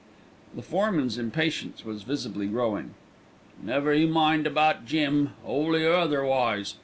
The foreman's impatience was visibly growing. "Never you mind about Jim, 'oly or otherwise.